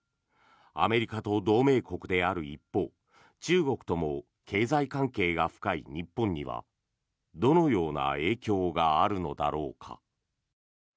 アメリカと同盟国である一方中国とも経済関係が深い日本にはどのような影響があるのだろうか。